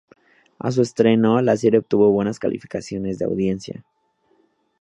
A su estreno la serie obtuvo buenas calificaciones de audiencia.